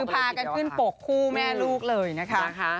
พากันขึ้นปกคู่แม่ลูกเลยนะคะ